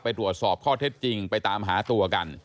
ไปตรวจสอบข้อเท็จจริงไปตามหาตัวกัน